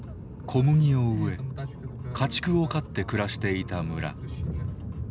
小麦を植え家畜を飼って暮らしていた村。